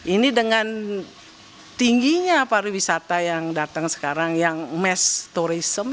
ini dengan tingginya pariwisata yang datang sekarang yang mass tourism